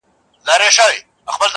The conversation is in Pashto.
ستا د ښايستې خولې ښايستې خبري~